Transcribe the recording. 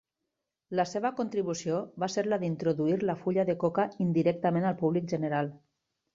La seva contribució va ser la d'introduir la fulla de coca indirectament al públic general.